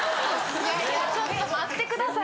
いやいやちょっと待ってください！